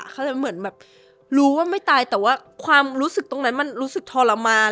เขาเลยเหมือนแบบรู้ว่าไม่ตายแต่ว่าความรู้สึกตรงนั้นมันรู้สึกทรมาน